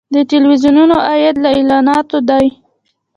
د تلویزیونونو عاید له اعلاناتو دی